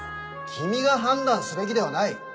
君が判断すべきではない！